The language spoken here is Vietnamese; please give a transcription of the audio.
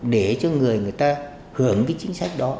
để cho người người ta hưởng cái chính sách đó